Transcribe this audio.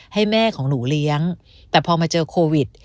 ให้แม่ของหนูเลี้ยงแต่พอมาเจอโควิด